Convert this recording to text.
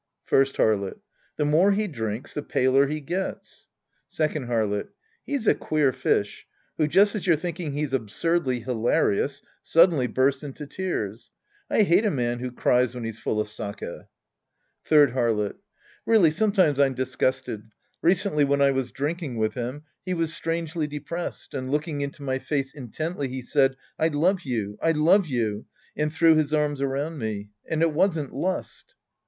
First Harlot. The more he drinks, the paler he gets. Second Harlot. He's a queer fish who, just as you're thinking he's absurdly hilarious, suddenly bursts into tears. I hate a man who cries when he's full Q^ sake. Third Harlot. Really sometimes I'm disgusted. Recently when I was drinking with Iiim, he was strangely depressed, and looking into my face intently, he said, " I love you, I love you," and threw his arms around me. ^"'S^nd it wasn't lust.